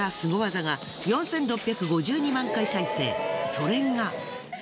それが。